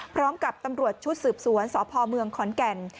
ตำรวจชุดสืบสวนสพเมืองขอนแก่น